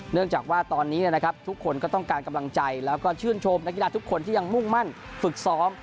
เนื่องจากว่าตอนนี้นะครับทุกคนก็ต้องการกำลังใจแล้วก็ชื่นชมนักกีฬาทุกคนที่ยังมุ่งมั่นฝึกซ้อม